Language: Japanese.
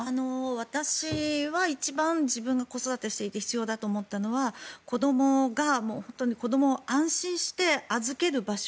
私は一番自分が子育てしていて必要だと思ったのは子どもを安心して預ける場所